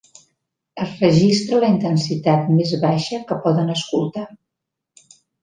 Es registra la intensitat més baixa que poden escoltar.